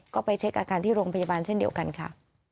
ก็ไปเช็คอาการที่โรงพยาบาลเช่นเดียวกันค่ะ